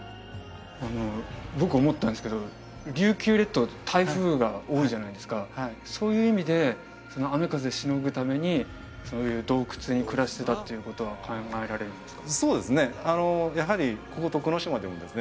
僕思ったんですけど琉球列島って台風が多いじゃないですかはいそういう意味で雨風しのぐためにそういう洞窟に暮らしてたっていうことは考えられるんですか？